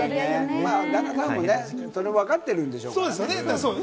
旦那さんも、それはわかってるでしょうからね。